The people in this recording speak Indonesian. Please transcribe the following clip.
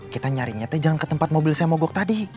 kita nyarinya teh jangan ke tempat mobil saya mogok tadi